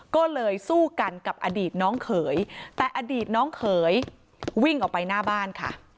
ก็เลยสู้กันกับอดีตน้องเขยแต่อดีตน้องเขยวิ่งออกไปหน้าบ้านค่ะ